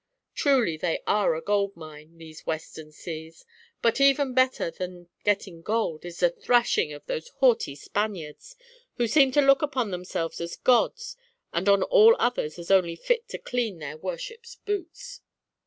Truly they are a gold mine, these Western seas; but even better than getting gold is the thrashing of those haughty Spaniards, who seem to look upon themselves as gods, and on all others as fit only to clean their worships' boots."